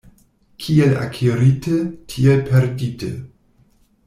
Kiel akirite, tiel perdite.